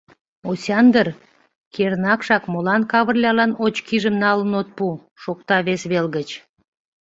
— Осяндр, кернакшак молан Кавырлялан очкижым налын от пу? — шокта вес вел гыч.